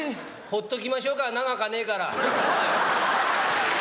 ほっときましょうか、長かねぇから。